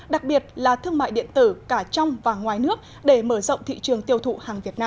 đặc biệt là thương mại điện tử cả trong và ngoài nước để mở rộng thị trường tiêu thụ hàng việt nam